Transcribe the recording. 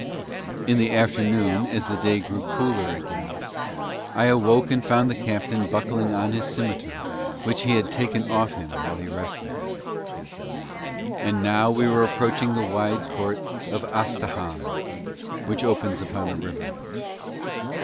In the afternoon, as the day grew cooler again, I awoke and found the captain buckling on his scimitar, which he had taken off him while he rested. And now we were approaching the wide court of Astahahn, which opens upon the river.